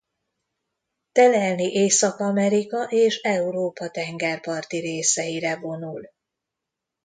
Telelni Észak-Amerika és Európa tengerparti részeire vonul.